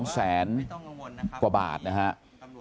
๒แสนกว่าบาทนะครับ